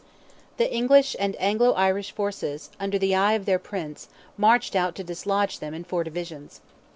The English and Anglo Irish forces, under the eye of their Prince, marched out to dislodge them, in four divisions.